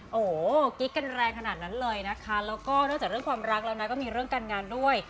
โอ้โหกิ๊กกันแรงขนาดนั้นเลยนะคะแล้วก็นอกจากเรื่องความรักแล้วนะก็มีเรื่องการงานด้วย